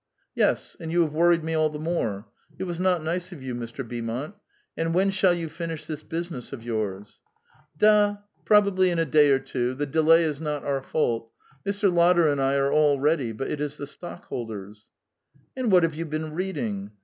" Yes, and you have worried me all the more. It was not nice of you, Mr. Beaumont. And when shall you finish this business of voiirs ?""^ Da! probably in a day or two; the delay is not our fault. Mr. Lotter and 1 are all ready, but it is the stock holders." " And what have yon been reading?"